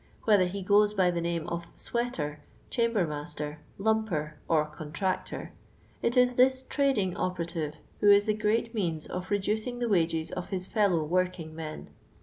Whether he goen by the name of 'sweater,' 'chamber master,' * lumper,*or contractor, it is this tradiiiy o}>ero*ir: who is the great means of reducing the wa^cs of his fallow worknig men.